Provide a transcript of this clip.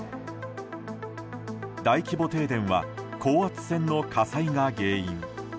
大規模停電は高圧線の火災が原因。